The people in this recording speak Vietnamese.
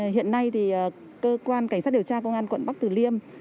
hiện nay thì cơ quan cảnh sát điều tra công an quận bắc tử liêm